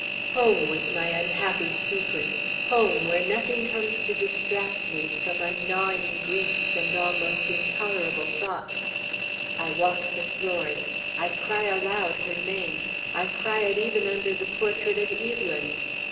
"Home with my unhappy secret! Home, where nothing comes to distract me from my gnawing griefs and almost intolerable thoughts. I walk the floors. I cry aloud her name. I cry it even under the portrait of Evelyn.